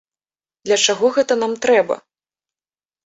Для чаго гэта нам трэба?